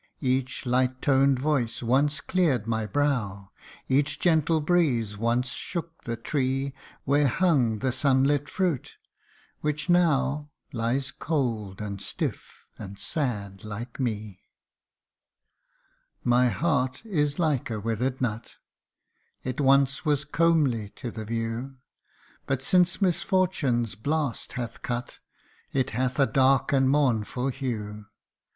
Each light toned voice once cleared my brow, Each gentle breeze once shook the tree Where hung the sun lit fruit, which now Lies, cold, and stiff, and sad, like me ! MY HEART IS LIKE A WITHERED NUT. 179 My heart is like a withered nut It once was comely to the view ; But since misfortune's blast hath cut, It hath a dark and mournful hue.